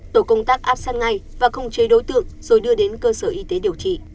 tổ công tác áp sát ngay và không chế đối tượng rồi đưa đến cơ sở y tế điều trị